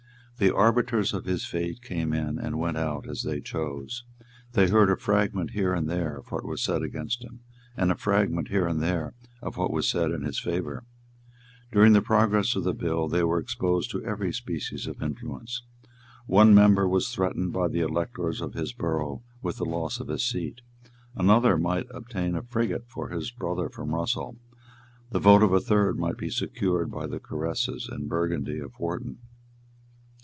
The arbiters of his fate came in and went out as they chose. They heard a fragment here and there of what was said against him, and a fragment here and there of what was said in his favour. During the progress of the bill they were exposed to every species of influence. One member was threatened by the electors of his borough with the loss of his seat; another might obtain a frigate for his brother from Russell; the vote of a third might be secured by the caresses and Burgundy of Wharton.